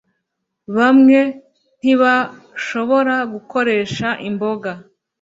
Bamwe Ntibashobora Gukoresha Imboga